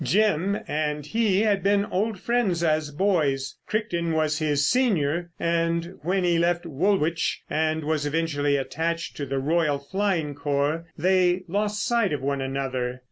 "Jim" and he had been old friends as boys. Crichton was his senior, and when he left Woolwich and was eventually attached to the Royal Flying Corps, they lost sight of one another.